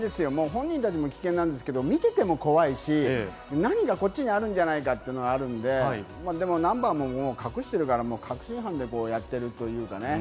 本人達も危険ですけど見てても怖いし、何か、こっちにあるんじゃないかというのがあるので、ナンバーも隠してるから確信犯でやっているというようなね。